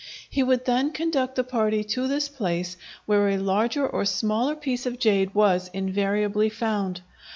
He would then conduct the party to this place, where a larger or smaller piece of jade was invariably found.